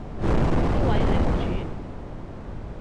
呢位係屋主